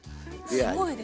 すごいですね。